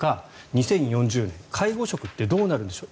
２０４０年介護職ってどうなるんでしょう。